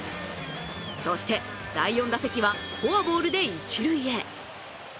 そして第４打席はフォアボールで一塁へ。